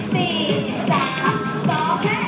๒ไหล่ค่ะข้างข้างเลย